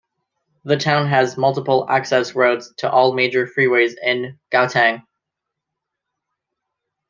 The town has multiple access roads to all major freeways in Gauteng.